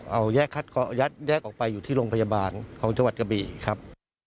เอายัดแยกออกไปอยู่ที่โรงพยาบาลของชาวัดกระบีครับ